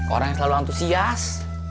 orangnya selalu antusias